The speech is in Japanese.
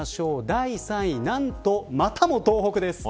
第３位、何とまたも東北です。